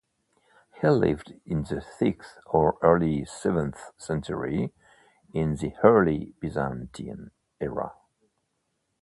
He lived in the sixth or early seventh century, in the early Byzantine era.